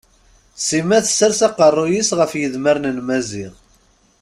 Sima tessers aqerruy-is ɣef yidmaren n Maziɣ.